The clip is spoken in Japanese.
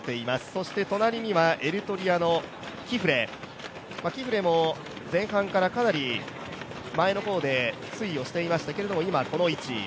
そして隣にはエリトリアのキフレ、キフレも前半からかなり前の方で推移をしていましたけど今、この位置。